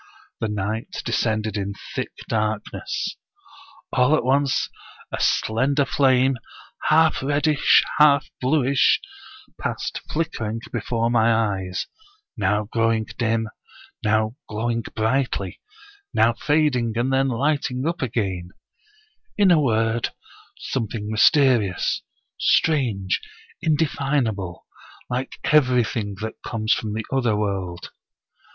The night descended in thick darkness. All at once a slender flame, half reddish, half bluish, passed flickering before my eyes, now growing dim, now glowing brightly, now fading and then lighting up again; in a word, something mysterious, strange, indefin able, like everything that comes from the other world.